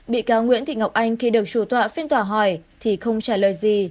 bị cáo nguyễn thị ngọc anh khi được chủ tọa phiên tòa hỏi thì không trả lời gì